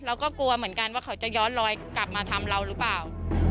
เราก็กลัวเหมือนกันว่าเขาจะย้อนลอยกลับมาทำเราหรือเปล่า